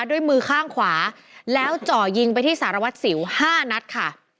ด้วยมือข้างขวาแล้วเจาะยิงไปที่สารวัตรสิว๕นัดค่ะ